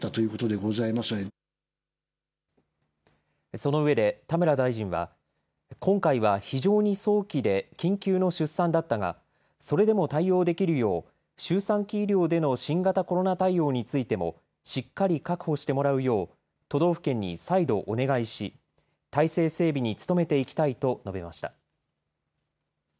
そのうえで田村大臣は今回は非常に早期で緊急の出産だったがそれでも対応できるよう周産期医療での新型コロナ対応についてもしっかり確保してもらうよう都道府県に再度お願いし、体制整備に努めていきたいと述べました。